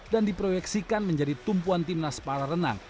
dan diproyeksikan menjadi tumpuan timnas para renang